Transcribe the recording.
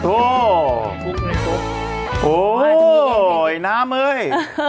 โอ้โหน้ำเอ้ย